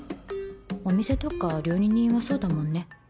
お店とか料理人はそうだもんね